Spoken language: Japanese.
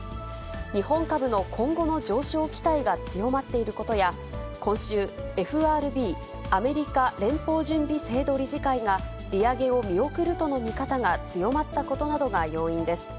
日本株の今後の上昇期待が強まっていることや、今週、ＦＲＢ・アメリカ連邦準備制度理事会が利上げを見送るとの見方が強まったことなどが要因です。